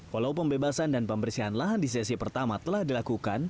walau pembebasan dan pembersihan lahan di sesi pertama telah dilakukan